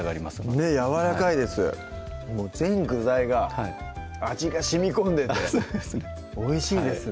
ねっやわらかいですもう全具材が味がしみこんでておいしいですね